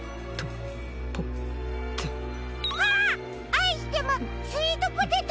「あいしてまスイートポテト」！